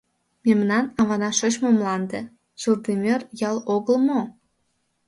— Мемнан авана шочмо мланде, Шылдемыр ял огыл мо?